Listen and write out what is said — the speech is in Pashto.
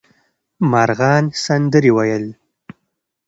مرغان سندرې ویل.